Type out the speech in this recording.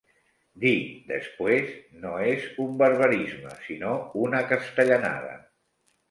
Dir 'después' no és un barbarisme, sinó una castellanada.